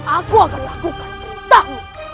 aku akan lakukan